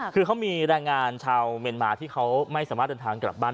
คือเขามีแรงงานชาวเมียนมาที่เขาไม่สามารถเดินทางกลับบ้าน